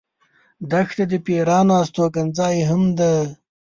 دښته د پېرانو استوګن ځای هم دی.